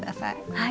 はい。